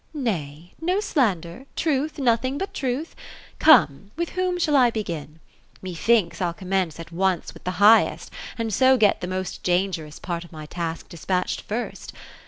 ^ Nay, no slander ; truth, nothing but truth. Come, with whom shall I begin ? Methinks I'll commence at once with the highest — and so get the most dangerous part of my task despatched first.